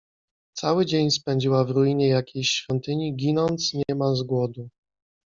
Cały dzień spędziła w ruinie jakiejś świątyni, ginąc niemal z głodu.